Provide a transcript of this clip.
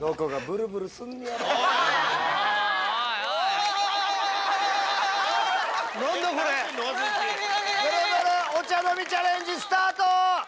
ブルブルお茶飲みチャレンジスタート！